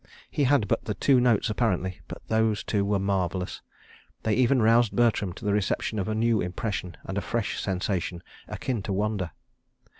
He had but the two notes apparently, but those two were marvellous. They even roused Bertram to the reception of a new impression and a fresh sensation akin to wonder.